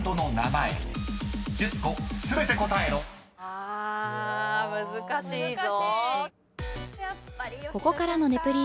あ難しいぞ。